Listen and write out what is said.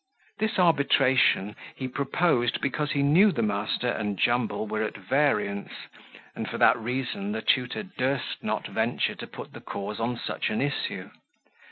This arbitration he proposed, because he knew the master and Jumble were at variance; and, for that reason, the tutor durst not venture to put the cause on such an issue.